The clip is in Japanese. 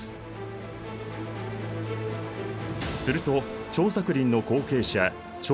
すると張作霖の後継者張